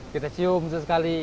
kita cium sesekali